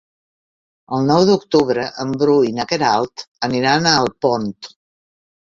El nou d'octubre en Bru i na Queralt aniran a Alpont.